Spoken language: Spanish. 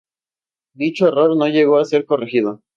Dicho error no llegó a ser corregido.